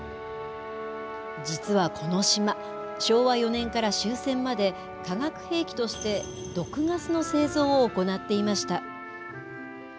実はこの島、昭和４年から終戦まで、化学兵器として毒ガスの製造を行っていました。